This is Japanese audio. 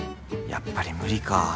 やっぱり無理か。